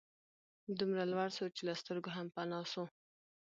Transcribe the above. دومره لوړ سو چي له سترګو هم پناه سو